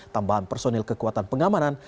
tambahan personil kekuatan pengamanan